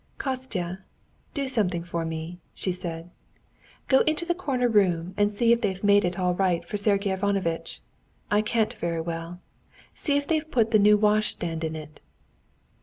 "Kostya! do something for me," she said; "go into the corner room and see if they've made it all right for Sergey Ivanovitch. I can't very well. See if they've put the new wash stand in it."